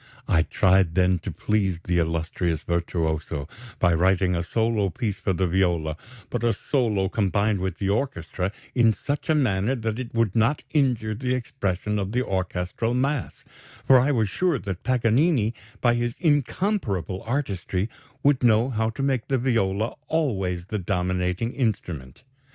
"I tried then to please the illustrious virtuoso by writing a solo piece for the viola, but a solo combined with the orchestra in such a manner that it would not injure the expression of the orchestral mass, for I was sure that Paganini, by his incomparable artistry, would know how to make the viola always the dominating instrument....